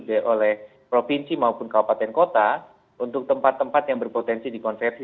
baik oleh provinsi maupun kabupaten kota untuk tempat tempat yang berpotensi dikonversi